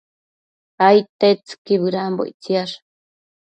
Aidtetsëqui bëdambo ictsiash